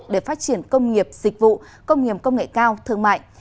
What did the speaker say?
để phát triển công nghiệp dịch vụ công nghiệp công nghệ cao thương mại